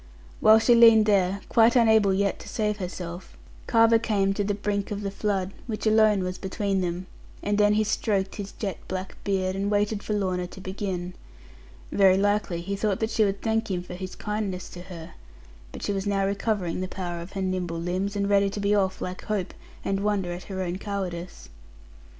While she leaned there, quite unable yet to save herself, Carver came to the brink of the flood, which alone was between them; and then he stroked his jet black beard, and waited for Lorna to begin. Very likely, he thought that she would thank him for his kindness to her. But she was now recovering the power of her nimble limbs; and ready to be off like hope, and wonder at her own cowardice.